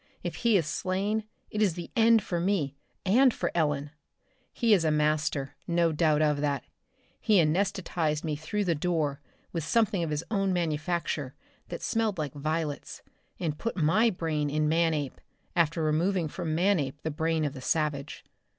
If he is slain, it is the end for me, and for Ellen! He is a master, no doubt of that. He anesthetized me through the door with something of his own manufacture that smelled like violets, and put my brain in Manape after removing from Manape the brain of the savage.